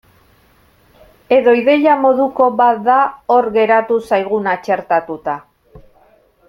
Edo ideia moduko bat da hor geratu zaiguna txertatuta.